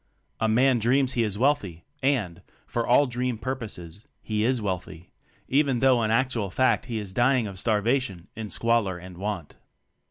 A man dreams he is wealthy, and for all dream purposes he is wealthy; even though in actual fact he is dying of starvation in squalor and want.